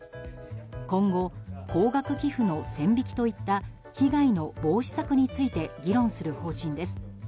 今後、高額寄付の線引きといった被害の防止策について議論する方針です。